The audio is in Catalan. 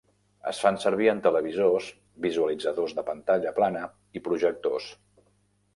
Es fan servir en televisors, visualitzadors de pantalla plana i projectors.